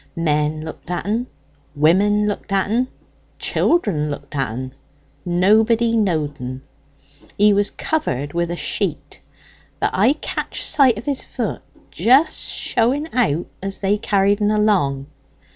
Men looked at en; women looked at en; children looked at en; nobody knowed en. He was covered wi' a sheet; but I catched sight of his voot, just showing out as they carried en along.